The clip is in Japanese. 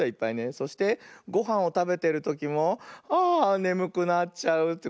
そしてごはんをたべてるときも「ああねむくなっちゃう」ってこうなっちゃうね。